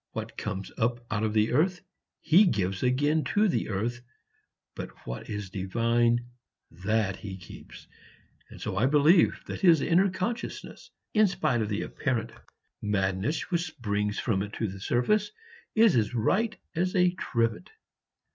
What comes up out of the earth he gives again to the earth, but what is divine, that he keeps; and so I believe that his inner consciousness, in spite of the apparent madness which springs from it to the surface, is as right as a trivet.